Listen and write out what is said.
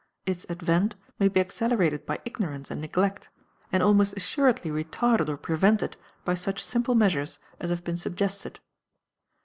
Its advent may be accelerated by ignorance and neglect, and almost assuredly retarded or prevented by such simple measures as have been suggested.